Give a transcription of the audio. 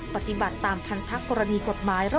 ปฏิบัติตามพันธกรณีกฎมายระหว่างประเทศ